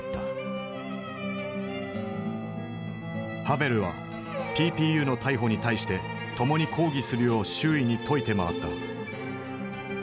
ハヴェルはＰＰＵの逮捕に対して共に抗議するよう周囲に説いて回った。